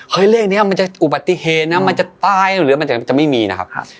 เลขนี้มันจะอุบัติเหตุนะมันจะตายหรือมันจะไม่มีนะครับ